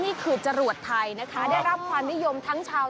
นี่เรียกว่าปล่อยยานอวกาศเลยดีนะ